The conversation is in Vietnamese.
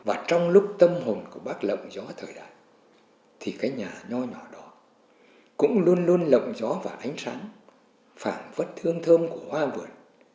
và trong lúc tâm hồn của bác lộng gió thời đại thì cái nhà nho nhỏ nhỏ đó cũng luôn luôn lộng gió và ánh sáng phản vất thương thơm của hoa vườn